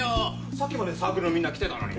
さっきまでサークルのみんな来てたのに。